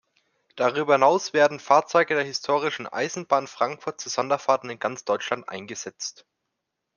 Darüber hinaus werden Fahrzeuge der Historischen Eisenbahn Frankfurt zu Sonderfahrten in ganz Deutschland eingesetzt.